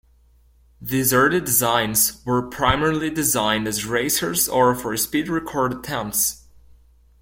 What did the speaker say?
These early designs were primarily designed as racers or for speed record attempts.